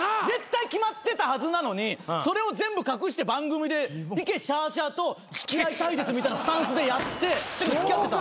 絶対決まってたはずなのにそれを全部隠して番組でいけしゃあしゃあと「付き合いたいです」みたいなスタンスでやって。